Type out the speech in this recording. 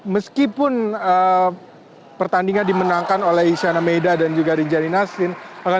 meskipun pertandingan dimenangkan oleh isyana meidarin dan juga riny jalini nastin